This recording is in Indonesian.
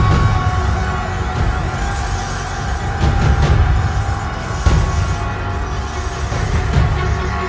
habisi mereka putramu